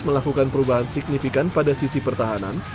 melakukan perubahan signifikan pada sisi pertahanan